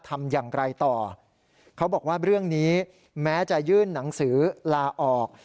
ทำอย่างไรต่อเขาบอกว่าเรื่องนี้แม้จะยื่นหนังสือลาออก